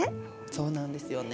そうなんですよね。